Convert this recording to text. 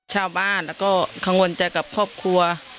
ชาวบ้านแล้วก็กังวลใจกับครอบครัว